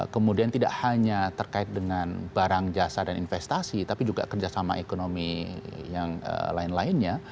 kemudian tidak hanya terkait dengan barang jasa dan investasi tapi juga kerjasama ekonomi yang lain lainnya